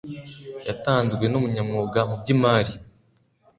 yatanzwe n ‘umunyamwuga mu byimari.